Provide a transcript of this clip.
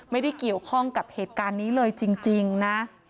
ไม่ได้เกี่ยวข้องกับเหตุการณ์นี้เลยจริงนะ